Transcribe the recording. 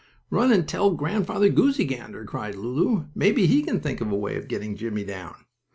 "Run and tell Grandfather Goosey Gander," cried Lulu. "Maybe he can think up a way of getting Jimmie down."